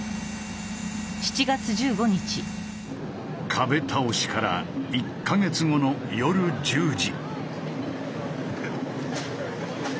壁倒しから１か月後の夜１０時。